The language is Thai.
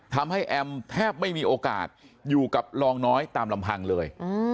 ทำให้แอมแทบไม่มีโอกาสอยู่กับลองน้อยตามลำพังเลย